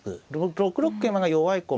６六桂馬が弱い駒。